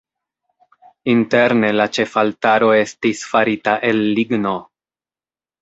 Interne la ĉefaltaro estis farita el ligno.